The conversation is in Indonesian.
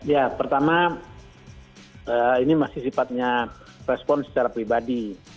ya pertama ini masih sifatnya respon secara pribadi